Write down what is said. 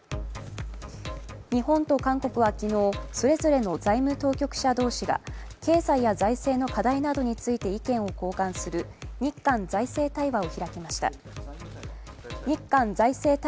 日本と韓国は昨日、それぞれの財務当局者同士が経済や財政の課題などについて意見を交換する日韓財務対話を開きました。